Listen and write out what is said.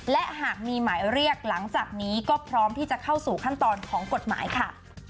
และหากมีหมายเรียกหลังจากนี้ก็พร้อมที่จะเข้าสู่ขั้นตอนของกฎหมายค่ะ